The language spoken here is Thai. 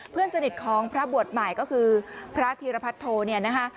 เพื่อนสนิทของพระบวชใหม่ก็คือพระธิรพัทธโธนะฮะ